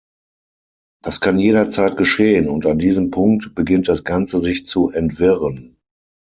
Das kann jederzeit geschehen und an diesem Punkt beginnt das Ganze sich zu entwirren.